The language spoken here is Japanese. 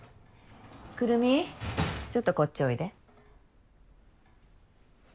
くるみちょっとこっちおいで。